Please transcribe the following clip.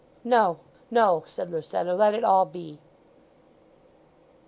"No, no," said Lucetta. "Let it all be."